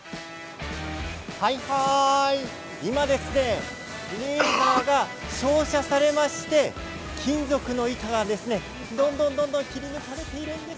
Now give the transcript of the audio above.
今レーザーが照射されて金属の板がどんどん切り抜かれているんです。